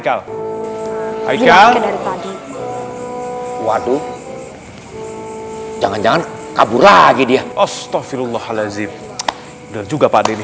hai hai kan waduh jangan jangan kabur lagi dia astaghfirullahaladzim dan juga pak deni